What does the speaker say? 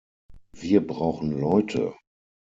Wir brauchen Leute!